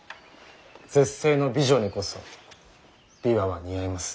絶世の美女にこそ琵琶は似合います。